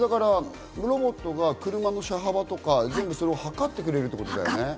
ロボットが車の車幅とか、全部測ってくれるってことだね。